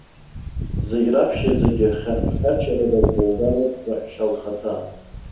Зегь раԥхьаӡагьы хьаҳәхьачарада агәра лгароуп, раҳәшьа лхаҭа.